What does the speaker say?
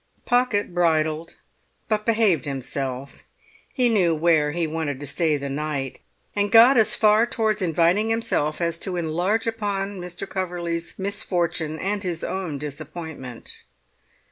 Pocket bridled, but behaved himself; he knew where he wanted to stay the night, and got as far towards inviting himself as to enlarge upon Mr. Coverley's misfortune and his own disappointment.